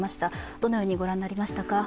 どのようにご覧になりましたか？